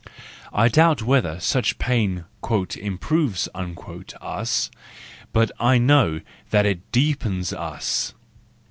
I doubt whether such pain " improves " us; but I know that it deepens us.